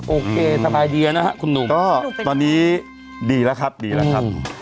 โอเคสบายดีนะครับคุณหนุ่มก็ตอนนี้ดีแล้วครับดีแล้วครับ